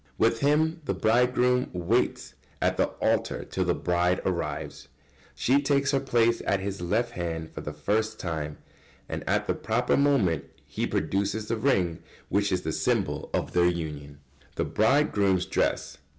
With him the bridegroom waits at the altar till the bride arrives. She takes her place at his left hand for the first time, and at the proper moment he produces the ring which is the symbol of their union. [Sidenote: The bridegroom's dress.